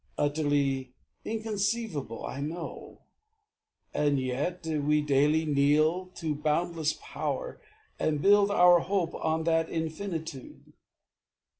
Utterly inconceivable, I know; And yet we daily kneel to boundless Power And build our hope on that Infinitude.